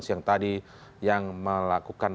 siang tadi yang melakukan